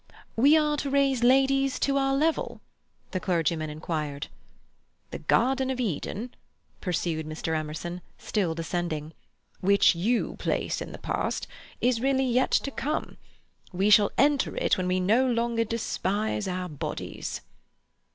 "We are to raise ladies to our level?" the clergyman inquired. "The Garden of Eden," pursued Mr. Emerson, still descending, "which you place in the past, is really yet to come. We shall enter it when we no longer despise our bodies."